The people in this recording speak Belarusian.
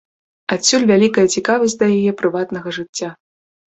Адсюль вялікая цікавасць да яе прыватнага жыцця.